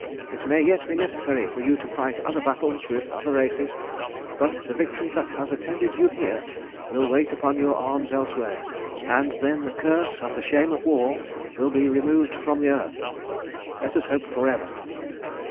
It may yet be necessary for you to fight other battles with other races; but the victory that has attended you here will wait upon your arms elsewhere, and then the curse and the shame of war will be removed from the earth, let us hope for ever.